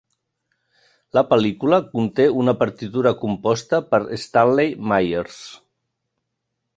La pel·lícula conté una partitura composta per Stanley Myers.